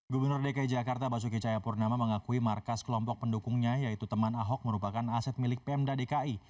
gubernur dki jakarta basuki cahayapurnama mengakui markas kelompok pendukungnya yaitu teman ahok merupakan aset milik pemda dki